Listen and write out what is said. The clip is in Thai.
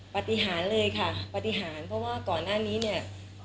ปฏิหารเลยค่ะปฏิหารเพราะว่าก่อนหน้านี้เนี่ย